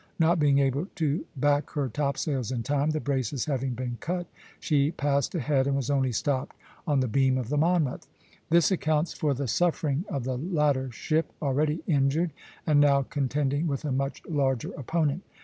Not being able to back her topsails in time, the braces having been cut, she passed ahead, and was only stopped on the beam of the 'Monmouth.'" This accounts for the suffering of the latter ship, already injured, and now contending with a much larger opponent.